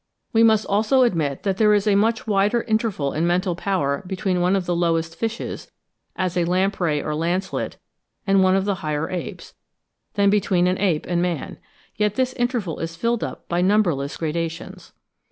We must also admit that there is a much wider interval in mental power between one of the lowest fishes, as a lamprey or lancelet, and one of the higher apes, than between an ape and man; yet this interval is filled up by numberless gradations.